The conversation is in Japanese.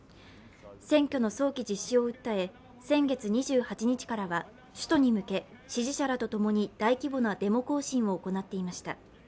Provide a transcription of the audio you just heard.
選挙の早期実施を訴え、先月２８日からは首都に向け、支持者らと共に大規模なデモ行進を行っていました。